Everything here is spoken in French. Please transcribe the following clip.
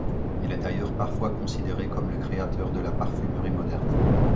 Il est d'ailleurs parfois considéré comme le créateur de la parfumerie moderne.